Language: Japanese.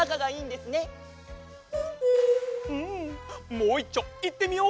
もういっちょいってみよう！